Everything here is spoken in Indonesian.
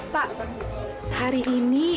pak hari ini